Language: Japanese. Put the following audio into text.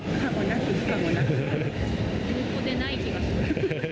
良好でない気がする。